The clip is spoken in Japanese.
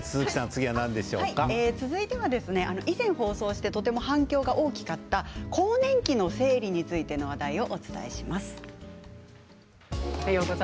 続いては、以前放送して反響の大きかった更年期の生理についての話題をお伝えします。